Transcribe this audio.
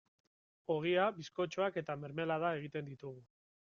Ogia, bizkotxoak eta mermelada egiten ditugu.